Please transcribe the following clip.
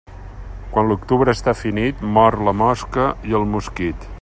Quan l'octubre està finit, mor la mosca i el mosquit.